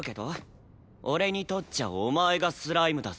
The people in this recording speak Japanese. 俺にとっちゃお前がスライムだぞ日サロ触角。